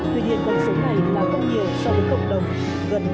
tuy hiện công số này là không nhiều so với cộng đồng